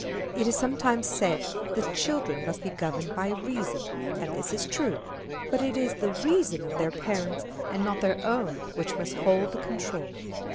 It is sometimes said that children must be governed by reason, and this is true, but it is the reason of their parents, and not their own which must hold the control.